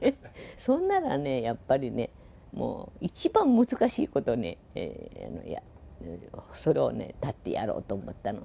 そんならね、やっぱりね、一番難しいことね、それをね、絶ってやろうと思ったの。